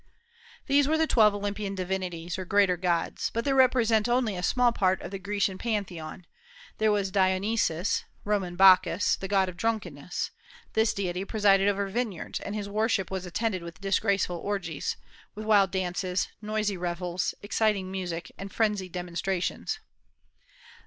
These were the twelve Olympian divinities, or greater gods; but they represent only a small part of the Grecian Pantheon. There was Dionysus (Roman Bacchus), the god of drunkenness. This deity presided over vineyards, and his worship was attended with disgraceful orgies, with wild dances, noisy revels, exciting music, and frenzied demonstrations.